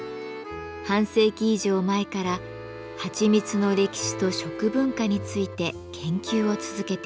半世紀以上前からはちみつの歴史と食文化について研究を続けています。